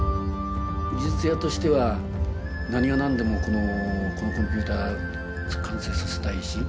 技術屋としては何が何でもこのコンピューター完成させたいし。